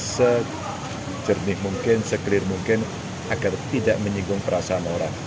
sejernih mungkin agar tidak menyigung perasaan orang